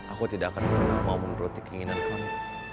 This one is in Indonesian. aku tidak akan pernah mau menuruti keinginan kami